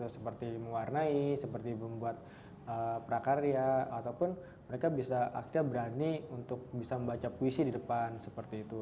seperti mewarnai seperti membuat prakarya ataupun mereka bisa akhirnya berani untuk bisa membaca puisi di depan seperti itu